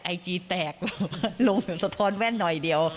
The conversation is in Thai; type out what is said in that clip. ไอจีแตกรวมถึงสะท้อนแว่นหน่อยเดียว